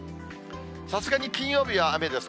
さすがに金曜日は雨です。